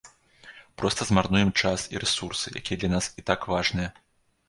Проста змарнуем час і рэсурсы, якія для нас і так важныя.